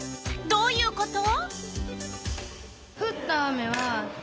どういうこと？